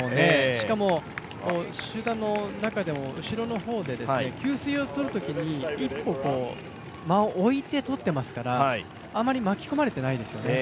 しかも、集団の中でも後ろの方で給水をとるときに一歩間を置いて取っていますから、あまり巻き込まれていないですよね。